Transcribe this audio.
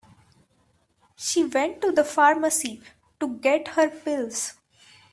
She went to the pharmacy to get her pills.